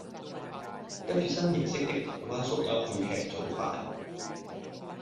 跟著新認識的台灣宿友去吃早飯